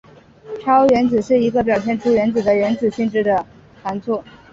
超原子是一个表现出元素的原子性质的原子团簇。